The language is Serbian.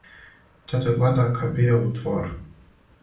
Те да гледа ка бијелу двору